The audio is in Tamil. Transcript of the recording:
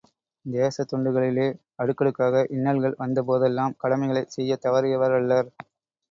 தேசத் தொண்டுகளிலே அடுக்கடுக்காக இன்னல்கள் வந்த போதெல்லாம் கடமைகளைச் செய்யத் தவறியவரல்லர்.